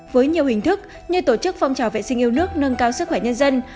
với nhiều hình thức như tổ chức phong trào vệ sinh yêu nước nâng cao sức khỏe nhân dân